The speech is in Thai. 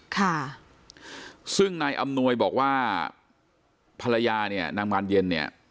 ค่ะซึ่งนายอำนวยบอกว่าภรรยาเนี่ยนางมานเย็นเนี่ย